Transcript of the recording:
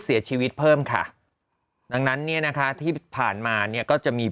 เสียชีวิตเพิ่มค่ะดังนั้นเนี่ยนะคะที่ผ่านมาเนี่ยก็จะมี